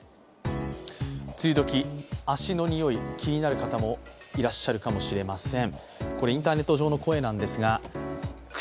梅雨時、足のにおい、気になる方もいらっしゃるかもしれません。